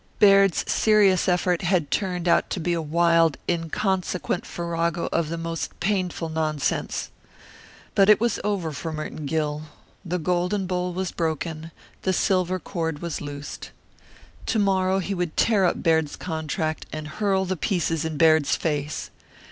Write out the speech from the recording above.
Baird's serious effort had turned out to be a wild, inconsequent farrago of the most painful nonsense. But it was over for Merton Gill. The golden bowl was broken, the silver cord was loosed. To morrow he would tear up Baird's contract and hurl the pieces in Baird's face.